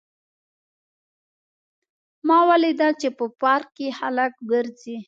ما ولیدل چې په پارک کې خلک ګرځي